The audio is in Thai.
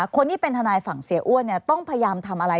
คนที่เป็นทนายฝั่งเสียอ้วนต้องพยายามทำอะไร